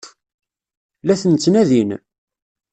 La ten-ttnadin?